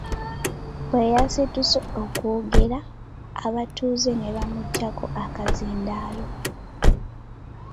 Bwe yasituse okwogera, abatuuze ne bamuggyako akazindaalo.